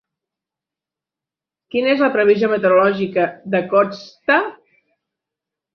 Quina és la previsió meteorològica de Koszta